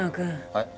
はい？